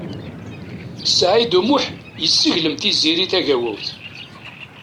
Saɛid U Muḥ yesseglem Tiziri Tagawawt.